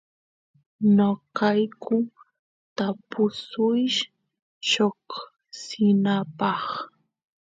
noqayku tapusuysh lloksinapaq